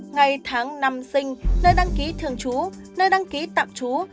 ngày tháng năm sinh nơi đăng ký thường trú nơi đăng ký tạm trú